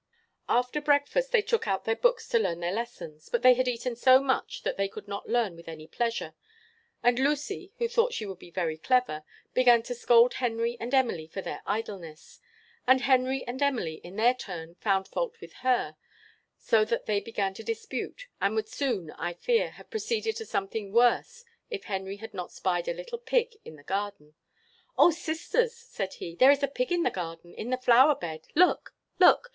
After breakfast, they took out their books to learn their lessons; but they had eaten so much that they could not learn with any pleasure; and Lucy, who thought she would be very clever, began to scold Henry and Emily for their idleness; and Henry and Emily, in their turn, found fault with her; so that they began to dispute, and would soon, I fear, have proceeded to something worse if Henry had not spied a little pig in the garden. "Oh, sisters," said he, "there is a pig in the garden, in the flower bed! Look! look!